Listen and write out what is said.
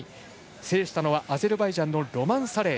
制したのはアゼルバイジャンのロマン・サレイ。